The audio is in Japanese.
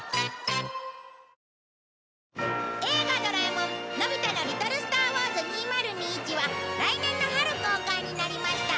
『映画ドラえもんのび太の宇宙小戦争２０２１』は来年の春公開になりました。